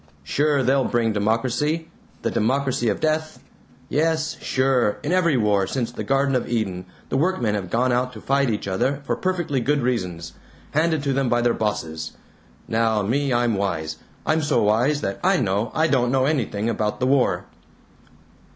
Sure, they'll bring democracy the democracy of death. Yes, sure, in every war since the Garden of Eden the workmen have gone out to fight each other for perfectly good reasons handed to them by their bosses. Now me, I'm wise. I'm so wise that I know I don't know anything about the war."